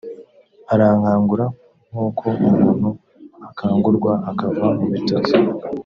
arankangura nk’uko umuntu akangurwa akava mu bitotsi